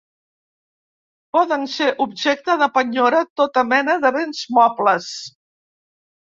Poden ser objecte de penyora tota mena de béns mobles.